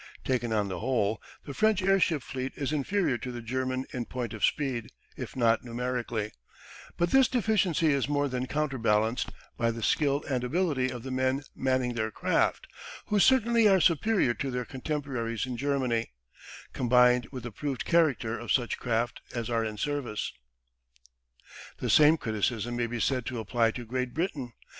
Taken on the whole, the French airship fleet is inferior to the German in point of speed, if not numerically, but this deficiency is more than counterbalanced by the skill and ability of the men manning their craft, who certainly are superior to their contemporaries in Germany, combined with the proved character of such craft as are in service. The same criticism may be said to apply to Great Britain.